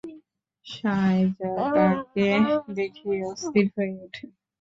শারযা তাকে দেখেই অস্থির হয়ে ওঠে।